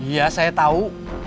ya saya tau